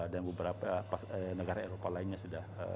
dan beberapa negara eropa lainnya sudah